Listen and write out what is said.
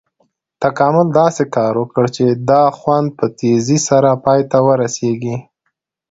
تکامل داسې کار وکړ چې دا خوند په تیزي سره پای ته ورسېږي.